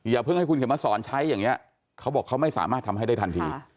เพิ่งให้คุณเข็มมาสอนใช้อย่างนี้เขาบอกเขาไม่สามารถทำให้ได้ทันที